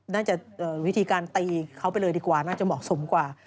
น่าจะวิธีการตีเขาไปเลยดีกว่าน่าจะเหมาะสมกว่า